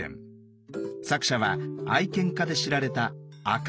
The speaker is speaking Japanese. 作者は愛犬家で知られた暁鐘